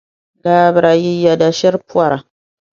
Laabira yi yɛda shiri pɔra!